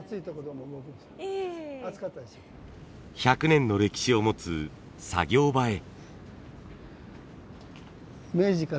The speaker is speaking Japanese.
１００年の歴史を持つ作業場へ。